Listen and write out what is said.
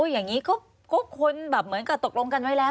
อย่างนี้ก็คนแบบเหมือนกับตกลงกันไว้แล้ว